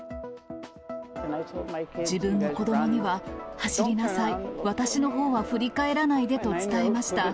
自分の子どもには走りなさい、私のほうは振り返らないでと伝えました。